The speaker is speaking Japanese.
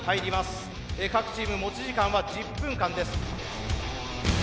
各チーム持ち時間は１０分間です。